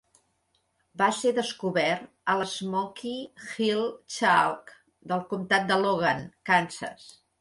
Va ser descobert a l'Smoky Hill Chalk del comtat de Logan, Kansas.